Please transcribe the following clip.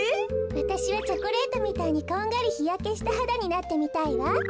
わたしはチョコレートみたいにこんがりひやけしたはだになってみたいわ。